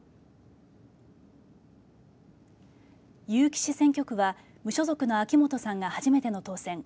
結城市選挙区は無所属の秋元さんが初めての当選。